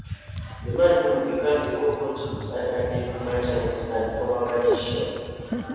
The man who would become the Cockroach is an unnamed merchant and former magician.